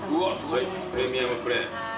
はいプレミアムプレーン。